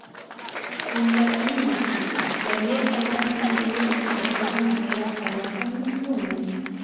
اللَّئِيمَةِ ، لَمْ يَبْقَ مَعَهُ خَيْرٌ مَرْجُوٌّ وَلَا صَلَاحٌ مَأْمُولٌ